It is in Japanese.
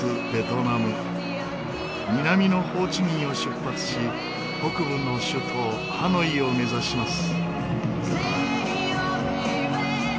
南のホーチミンを出発し北部の首都ハノイを目指します。